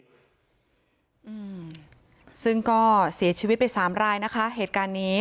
อืมซึ่งก็เสียชีวิตไปสามรายนะคะเหตุการณ์นี้